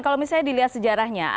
kalau misalnya dilihat sejarahnya